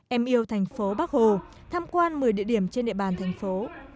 em yêu thành phố bắc hồ tham quan một mươi địa điểm trên địa bàn thành phố